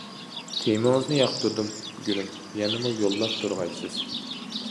تېمىڭىزنى ياقتۇردۇم، گۈلۈم، يەنىمۇ يوللاپ تۇرغايسىز.